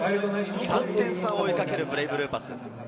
３点差を追い掛けるブレイブルーパス。